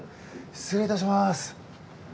失礼いたします。